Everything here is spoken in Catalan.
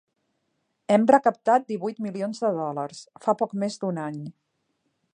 Hem recaptat divuit milions de dòlars, fa poc més d’un any.